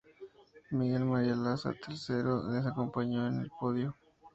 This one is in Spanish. Miguel María Lasa, tercero, les acompañó en el podio.